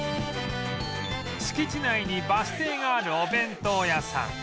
敷地内にバス停があるお弁当屋さん